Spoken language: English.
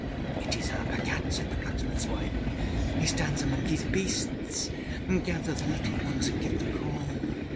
â âIt is our Bhagat,â said the blacksmithâs wife. âHe stands among his beasts. Gather the little ones and give the call.